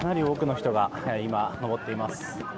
かなり多くの人が今登っています。